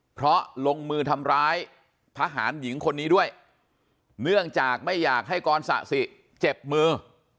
เพราะลงมือทำร้ายทหารหญิงคนนี้ด้วยเนื่องจากไม่อยากให้กรสะสิเจ็บมือ